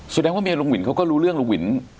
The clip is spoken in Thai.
แสดงว่าเมียลุงวินเขาก็รู้เรื่องลุงหวิน